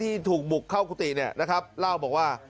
ที่ถูกบุกเข้ากุฏิเนี่ยนะครับเล่าบอกว่า